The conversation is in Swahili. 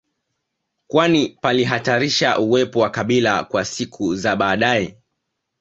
kwani palihatarisha uwepo wa kabila kwa siku za baadae